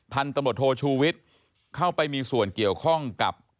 พันธุ์ตำรวจโทชูวิทย์เข้าไปมีส่วนเกี่ยวข้องกับ